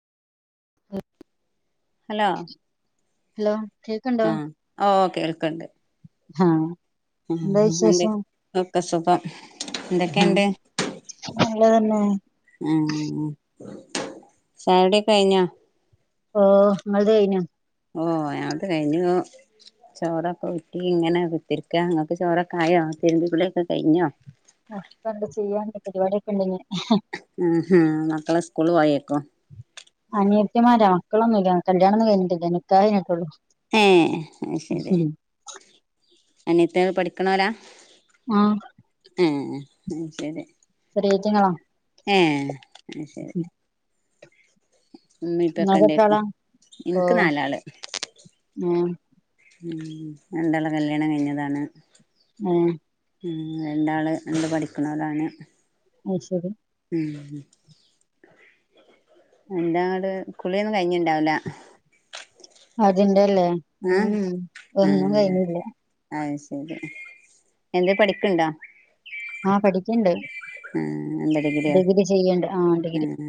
Hello ലോ കേക്ക്ണ്ടോ ആഹ് ഓഹ് കേൾക്ക്ണ്ട് ആഹ് എന്താ ആഹ് എന്ത വിശേഷം ഒക്കെ സുഖം എന്തൊക്കെണ്ട് നല്ലതന്നെ ആഹ് ചായകുടി ഒക്കെ കഴിഞ്ഞോ? ഓഹ് ഇങ്ങൾതഴ്ഞ്ഞോ? ഓ ഞങ്ങൾതെ കഴിഞ്ഞു ചോറൊക്കെ ഊറ്റിയിങ്ങനെ കുത്തിരിക്ക ഇങ്ങക്ക് ചോറൊക്കായോ? തിരുമ്പി കുളിയൊക്കെ കഴ്ഞ്ഞോ? ഒക്കെണ്ട് ചെയ്യാണ്ട് പരിപാടിയൊക്കെണ്ട്ഞ് ആഹാ മക്കളെ സ്കൂള് പോയേക്കും അനിയത്തിമാര മക്കളൊന്നുല്ല്യ കല്യാണൊന്നും കഴിഞ്ഞിട്ടില്ല നിക്കാഹ് കഴിഞ്ഞിട്ടൊള്ളൂ ഏഹ് അഹ്ശെരി അനിയത്തിയള് പഠിക്ക്ണോലാ? ആഹ് ഏഹ് അഹ്ശെരി ചെറിയേറ്റ്ങ്ങെളാ ഏഹ് അഹ്ശെരി ഇങ്ങക്ക് ഇമ്മിപ്പിയെക്കെണ്ടേക്കും എത്രാളാ ഓ ഇൻക്ക് നാലാള് ഏഹ് ഉം രണ്ടാളെ കല്യാണം കഴിഞ്ഞതാണ് ഏഹേ ഉം രണ്ടാള് ഇണ്ട് പഠിക്ക്ണോലാണ് അയ്ശെരി ഉം എന്താങ്ങട് കുളിയൊന്നും കഴിഞ്ണ്ടാവൂല? ആര്തിന്റെല്ലേ മ് ഏഹ് മ് ഒന്നും കഴിഞ്ഞില്ല അഹ്ശെരി എന്തേം പഠിക്ക്ണ്ടാ? ആഹ് പഠിക്ക്ണ്ട് എഹ് എന്താ ഡിഗ്രിയോ? ഡിഗ്രി ചെയ്യ്ണ്ട് ആഹ് ഡിഗ്രി എഹ്